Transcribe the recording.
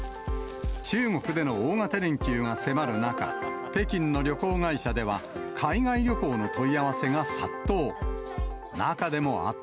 中国での大型連休が迫る中、北京の旅行会社では、海外旅行の問い合わせが殺到。